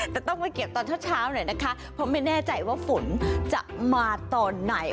แต่ต้องไปเก็บตอนเช้าหน่อยนะคะเพราะไม่แน่ใจว่าฝนจะมาตอนไหน